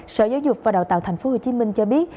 sở giáo dục và đào tạo tp hcm cho biết